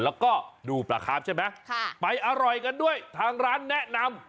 แล้วก็ดูปลาคาร์ฟใช่ไหมไปอร่อยกันด้วยทางร้านแนะนำ